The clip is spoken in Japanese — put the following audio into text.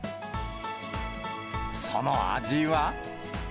その味は。